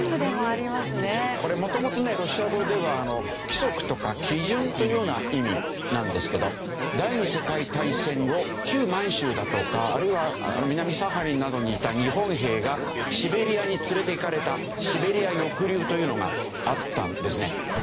これもともとねロシア語では「規則」とか「基準」というような意味なんですけど第ニ次世界大戦後旧満州だとかあるいは南サハリンなどにいた日本兵がシベリアに連れていかれたシベリア抑留というのがあったんですね。